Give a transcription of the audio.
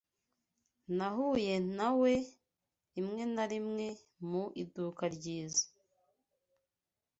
Nahuye nawe rimwe na rimwe mu iduka ryiza